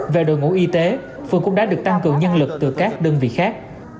về đội ngũ y tế phường cũng đã được tăng cường nhân lực từ các đơn vị khác